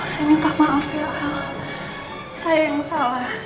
saya minta maaf ya saya yang salah saya ngelalai saya nggak bisa jadiin rina